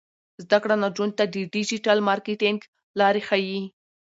زده کړه نجونو ته د ډیجیټل مارکیټینګ لارې ښيي.